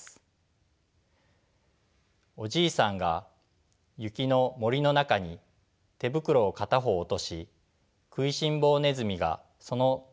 おじいさんが雪の森の中に手袋を片方落としくいしんぼねずみがその手袋を見つけ